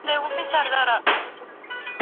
پر خپله مېنه د بلا لښکري